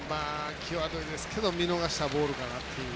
際どいですけど見逃したボールかなと。